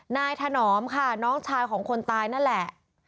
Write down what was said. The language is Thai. ถนอมค่ะน้องชายของคนตายนั่นแหละ